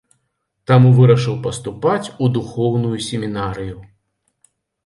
Таму вырашыў паступаць у духоўную семінарыю.